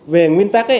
về nguyên tắc